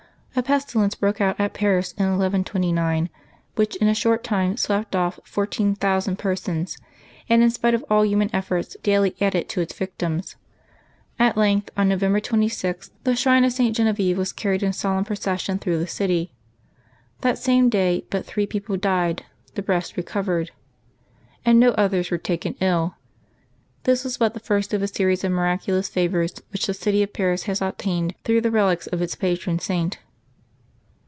A pestilence broke out at Paris in 1129, which in a short time swept off fourteen thousand persons, and, in spite of all human efforts, daily added to its victims. At length, on ISTovember 26th, the shrine of St. Genevieve was carried in solemn procession through the city. That same day but three persons died, the rest recovered, and no others were taken ill. This was but the first of a series of miraculous favors which the city of Paris has obtained through the relics of its patron Saint.